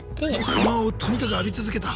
不満をとにかく浴び続けた。